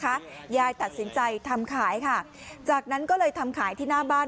ยายตัดสินใจทำขายค่ะจากนั้นก็เลยทำขายที่หน้าบ้าน